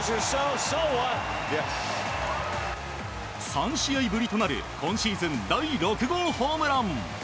３試合ぶりとなる今シーズン第６号ホームラン。